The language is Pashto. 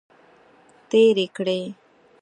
تیرې کړې.